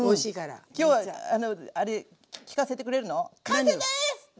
きょうはあれ聞かせてくれるの？